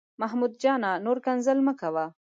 محمود جانه، نور کنځل مه کوه.